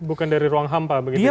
bukan dari ruang hampa begitu ya